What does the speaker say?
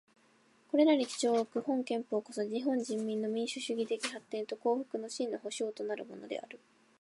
これらに基調をおく本憲法こそ、日本人民の民主主義的発展と幸福の真の保障となるものである。